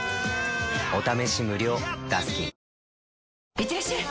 いってらっしゃい！